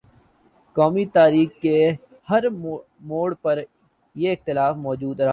قومی تاریخ کے ہر موڑ پر یہ اختلاف مو جود رہا ہے۔